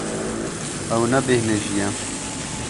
Ew nebêhnijî ye.